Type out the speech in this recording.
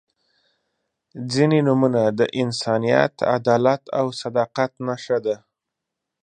• ځینې نومونه د انسانیت، عدالت او صداقت نښه ده.